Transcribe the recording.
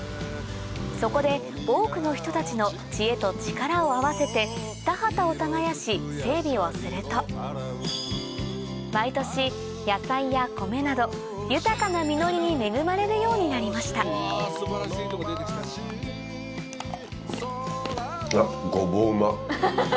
そこで多くの人たちの知恵と力を合わせて田畑を耕し整備をすると毎年野菜や米など豊かな実りに恵まれるようになりましたあっ！